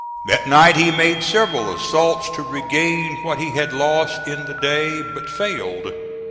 That night he made several assaults to regain what he had lost in the day, but failed.